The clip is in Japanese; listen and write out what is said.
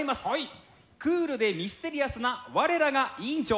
クールでミステリアスな我らが委員長！